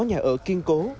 có nhà ở kiên cố